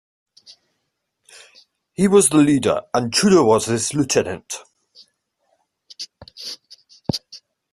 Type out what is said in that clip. He was the leader, and Tudor was his lieutenant.